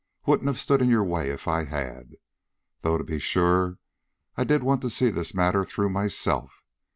Wouldn't have stood in your way if I had. Though, to be sure, I did want to see this matter through myself.